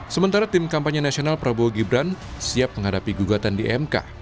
sementara tim kampanye nasional prabowo gibran siap menghadapi gugatan di mk